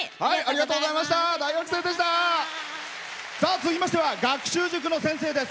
続きましては学習塾の先生です。